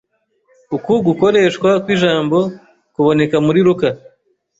Uku gukoreshwa kw'ijambo kuboneka muri Luka